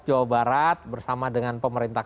jawa barat bersama dengan pemerintah